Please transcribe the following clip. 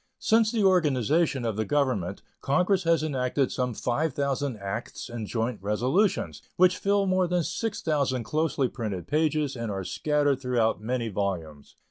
Since the organization of the Government Congress has enacted some 5,000 acts and joint resolutions, which fill more than 6,000 closely printed pages and are scattered through many volumes.